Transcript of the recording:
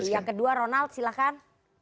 yang kedua ronald silahkan